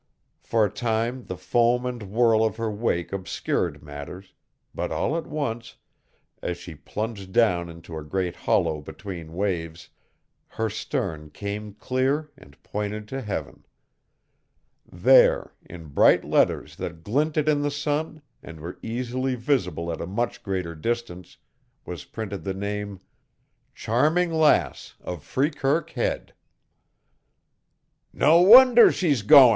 For a time the foam and whirl of her wake obscured matters, but all at once, as she plunged down into a great hollow between waves, her stern came clear and pointed to heaven. There, in bright letters that glinted in the sun and were easily visible at a much greater distance, was printed the name: CHARMING LASS OF FREEKIRK HEAD "No wonder she's goin'!"